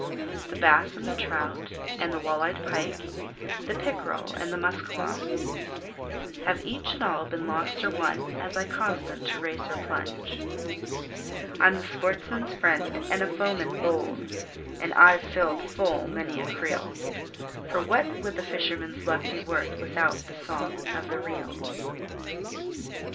The bass and the trout, and the wall eyed pike, the pickerel and muskalonge, Have each and all been lost or won as I caused them to race or plunge, I'm the sportsman's friend, and a foeman bold, and I've filled full many a creel; For what would the fisherman's luck be worth without the song of the reel?